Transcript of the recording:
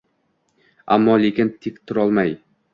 Аmmo lekin tek turolmay